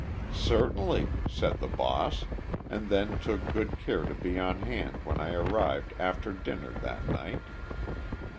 "'Certainly,' said the boss, and then took good care to be on hand when I arrived after dinner that night.